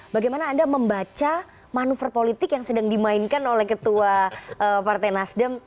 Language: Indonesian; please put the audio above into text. bagaimana anda membaca manuver politik yang sedang dimainkan oleh ketua partai nasdem